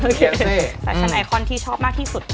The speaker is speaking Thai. โอเคแฟชั่นไอคอนที่ชอบมากที่สุด